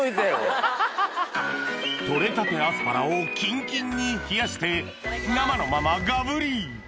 採れたてアスパラをキンキンに冷やして生のままガブリ！